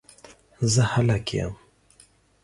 زه هلک یم